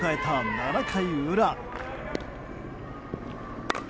７回裏。